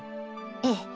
ええ。